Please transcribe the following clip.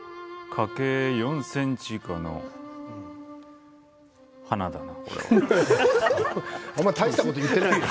花径４ｃｍ以下の花だな。